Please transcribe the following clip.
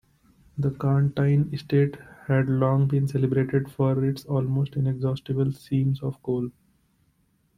The Carntyne estate had long been celebrated for its almost inexhaustible seams of coal.